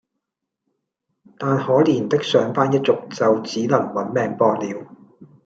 但可憐的上班一族就只能「搵命博」了